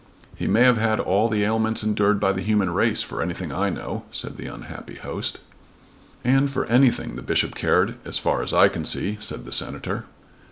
"He may have had all the ailments endured by the human race for anything I know," said the unhappy host. "And for anything the bishop cared as far as I can see," said the Senator.